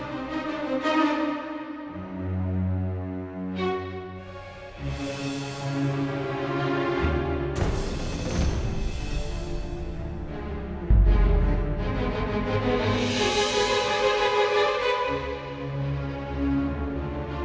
t spirituality nya vivir ngergak hatinya seperti air gitu aja